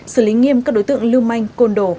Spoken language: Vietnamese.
xử lý nghiêm các đối tượng lưu manh côn đồ